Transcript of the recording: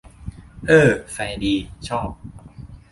เอ้อ แฟร์ดี ชอบ